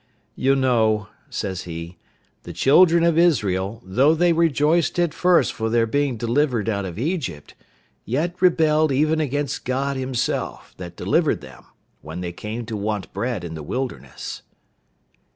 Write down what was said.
"You know," says he, "the children of Israel, though they rejoiced at first for their being delivered out of Egypt, yet rebelled even against God Himself, that delivered them, when they came to want bread in the wilderness."